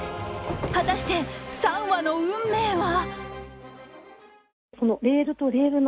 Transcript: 果たして３羽の運命は？